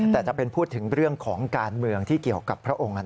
แต่จะเป็นพูดถึงเรื่องของการเมืองที่เกี่ยวกับพระองค์